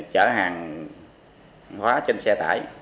chở hàng hóa trên xe tải